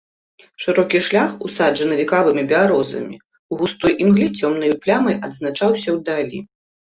Шырокі шлях, усаджаны векавымі бярозамі, у густой імгле цёмнай плямай адзначаўся ўдалі.